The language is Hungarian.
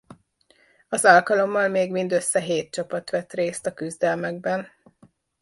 Az alkalommal még mindössze hét csapat vett részt a küzdelmekben.